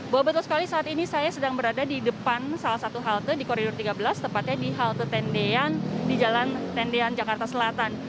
bahwa betul sekali saat ini saya sedang berada di depan salah satu halte di koridor tiga belas tepatnya di halte tendean di jalan tendian jakarta selatan